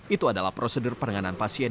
itu adalah prosedur penanganan pasien